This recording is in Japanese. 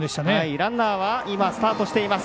ランナースタートしています。